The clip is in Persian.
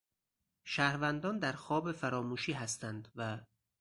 شهروندان در خواب فراموشی هستند و...